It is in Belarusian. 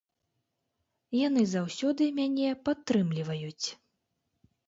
Яны заўсёды мяне падтрымліваюць.